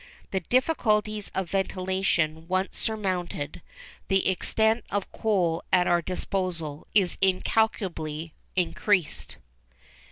_The difficulties of ventilation once surmounted, the extent of coal at our disposal is incalculably increased.